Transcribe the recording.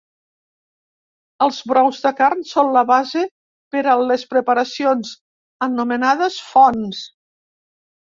Els brous de carn són la base per a les preparacions anomenades fons.